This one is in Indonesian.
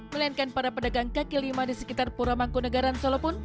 melainkan para pedagang kaki lima di sekitar pura mangkunagaran solo pun